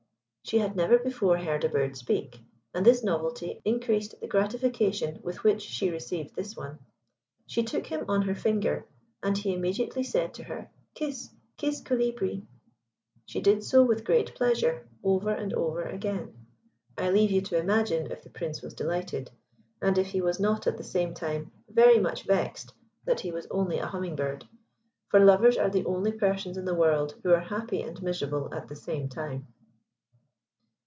She had never before heard a bird speak, and this novelty increased the gratification with which she received this one. She took him on her finger, and he immediately said to her "Kiss, kiss Colibri." She did so with great pleasure, over and over again. I leave you to imagine if the Prince was delighted, and if he was not at the same time very much vexed that he was only a Humming bird, for lovers are the only persons in the world who are happy and miserable at the same time.